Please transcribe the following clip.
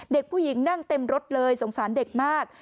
เด็กผู้หญิงนั่งเต็มรถเลยสงสารเด็กมาก